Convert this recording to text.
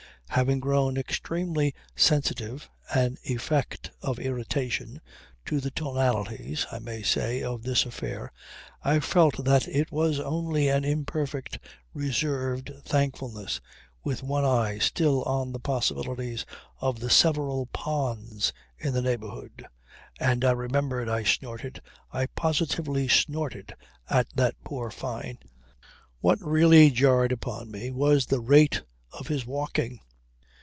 Having grown extremely sensitive (an effect of irritation) to the tonalities, I may say, of this affair, I felt that it was only an imperfect, reserved, thankfulness, with one eye still on the possibilities of the several ponds in the neighbourhood. And I remember I snorted, I positively snorted, at that poor Fyne. What really jarred upon me was the rate of his walking.